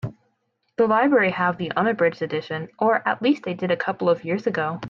The library have the unabridged edition, or at least they did a couple of years ago.